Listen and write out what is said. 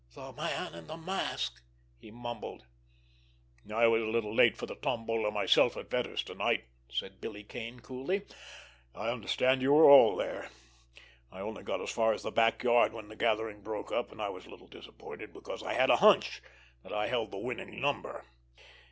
"The man in the mask!" he mumbled. "I was a little late for the tombola myself at Vetter's to night," said Billy Kane coolly. "I understand you were all there. I only got as far as the back yard when the gathering broke up, and I was a little disappointed because I had a hunch that I held the winning number.